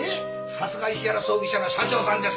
さすが石原葬儀社の社長さんです！